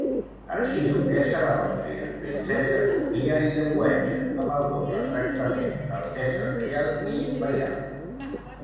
Arxiduquessa d'Àustria, princesa d'Hongria i de Bohèmia amb el doble tractament d'altesa reial i imperial.